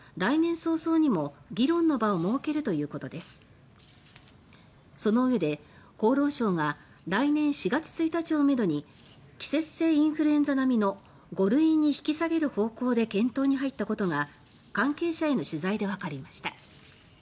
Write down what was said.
そのうえで、厚労省が来年４月１日をめどに季節性インフルエンザ並みの５類に引き下げる方向で検討に入ったことが関係者への取材でわかりました。